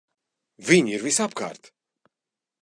Viņi ir visapkārt!